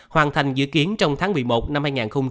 hoàn thành dự kiến trong tháng một mươi một năm hai nghìn hai mươi